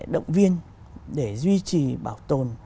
động viên để duy trì bảo tồn